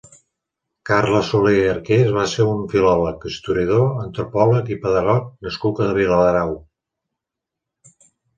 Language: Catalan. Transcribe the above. Carles Soler i Arqués va ser un filòleg, historiador, antropòleg i pedagog nascut a Viladrau.